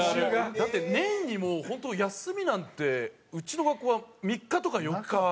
だって年にもうホント休みなんてうちの学校は３日とか４日。